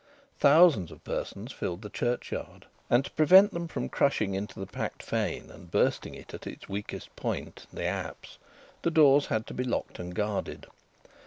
Thousands of persons filled the churchyard, and to prevent them from crushing into the packed fane and bursting it at its weakest point, the apse, the doors had to be locked and guarded.